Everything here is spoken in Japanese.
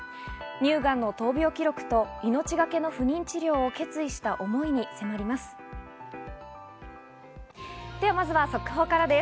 乳がんの闘病記録と、命がけの不妊治療を決意した思いに迫ります。